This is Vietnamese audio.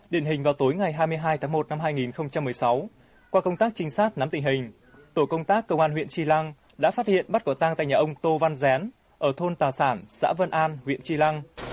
điển hình vào tối ngày hai mươi hai tháng một năm hai nghìn một mươi sáu qua công tác trinh sát nắm tình hình tổ công tác công an huyện tri lăng đã phát hiện bắt quả tang tại nhà ông tô văn gián ở thôn tà sản xã vân an huyện tri lăng